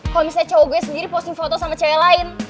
kalau misalnya cowok gue sendiri posting foto sama cewek lain